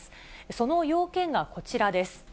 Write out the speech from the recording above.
その要件がこちらです。